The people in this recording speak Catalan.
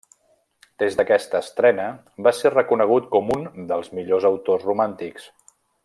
Des d'aquesta estrena va ser reconegut com un dels millors autors romàntics.